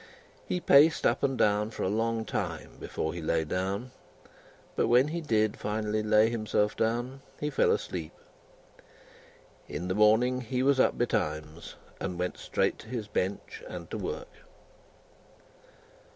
He paced up and down for a long time before he lay down; but, when he did finally lay himself down, he fell asleep. In the morning, he was up betimes, and went straight to his bench and to work.